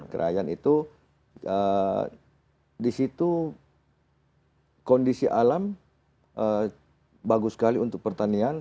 kerayan itu di situ kondisi alam bagus sekali untuk pertanian